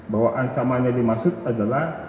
bahwa ancaman yang dimaksud adalah